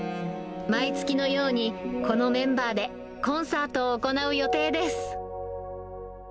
毎月のように、このメンバーでコンサートを行う予定です。